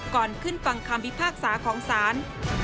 ก่อนขึ้นฟังคำพิพากษาของศาล